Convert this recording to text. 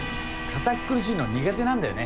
堅っ苦しいの苦手なんだよね。